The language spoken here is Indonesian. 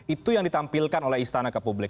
itu yang ditampilkan oleh istana kepublik